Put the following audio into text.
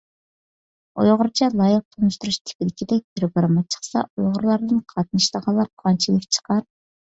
ئۇيغۇرچە لايىق تونۇشتۇرۇش تىپىدىكىدەك پىروگرامما چىقسا، ئۇيغۇرلاردىن قاتنىشىدىغانلار قانچىلىك چىقار؟